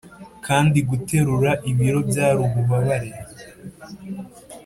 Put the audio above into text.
kandi guterura ibiro byari ububabare.